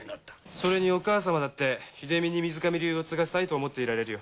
それにお母様だって秀美に水上流を継がせたいと思っていられるよ。